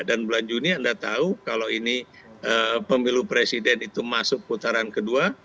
dan bulan juni anda tahu kalau ini pemilu presiden itu masuk putaran kedua